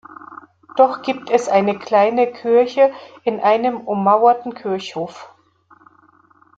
Doch gibt es eine kleine Kirche in einem ummauerten Kirchhof.